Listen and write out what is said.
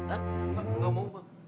enggak mau pak